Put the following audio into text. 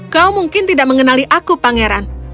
kau mungkin tidak mengenali aku pangeran